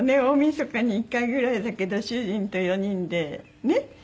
大みそかに１回ぐらいだけど主人と４人でねっ？